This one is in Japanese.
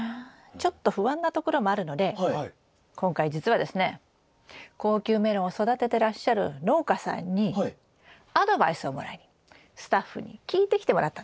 ちょっと不安なところもあるので今回実はですね高級メロンを育ててらっしゃる農家さんにアドバイスをもらいにスタッフに聞いてきてもらったんですよ。